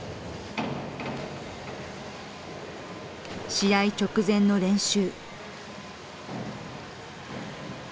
試合直前の練習。